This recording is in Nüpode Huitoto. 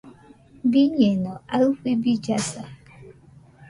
Biñeno aɨfɨ billasa.